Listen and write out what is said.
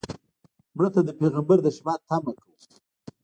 مړه ته د پیغمبر د شفاعت تمه کوو